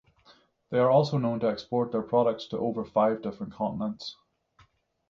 They are also known to export their products to over five different continents.